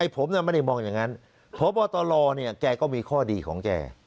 ผมไม่ได้มองอย่างนั้นพบตรแกก็มีข้อดีของแก